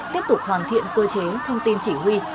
tiếp tục hoàn thiện cơ chế thông tin chỉ huy